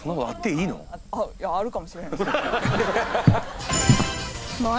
いやあるかもしれないですよ